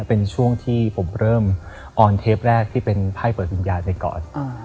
เป็นช่วงที่ผมเริ่มออนเทปแรกที่เป็นไพ่เปิดวิญญาณไปก่อน